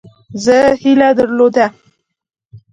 زه هیله درلوده.